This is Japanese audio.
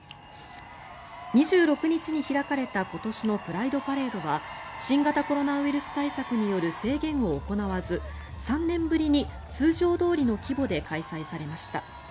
２６日に開かれた今年のプライドパレードは新型コロナウイルス対策による制限を行わず３年ぶりに通常どおりの規模で開催されました。